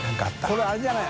海あれじゃない？